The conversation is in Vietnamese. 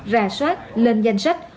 ra soát lên danh sách